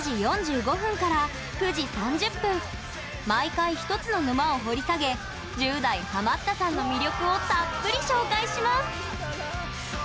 毎回１つの沼を掘り下げ１０代ハマったさんの魅力をたっぷり紹介します。